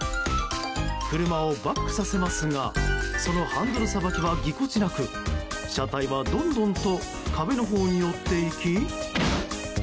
車をバックさせますがそのハンドルさばきはぎこちなく車体はどんどんと壁のほうに寄っていき